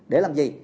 để làm gì